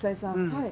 はい。